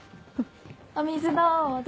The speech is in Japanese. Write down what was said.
お水どうぞ。